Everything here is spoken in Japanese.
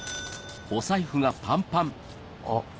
あっ。